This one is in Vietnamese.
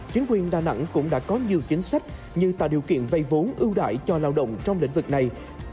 chính quyền đà nẵng cũng đã có nhiều chính sách như tạo điều kiện vây vốn ưu đại cho lao động trong lĩnh vực này